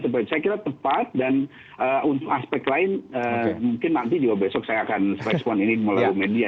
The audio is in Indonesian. saya kira tepat dan untuk aspek lain mungkin nanti juga besok saya akan respon ini melalui media